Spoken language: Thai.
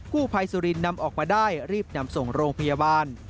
ผู้ภัยสุรินนำออกมาได้รีบนำส่งโรงพยาบาล